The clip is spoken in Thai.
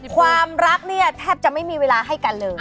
ความรักเนี่ยแทบจะไม่มีเวลาให้กันเลย